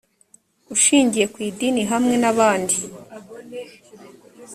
ushingiye ku idini hamwe n abandi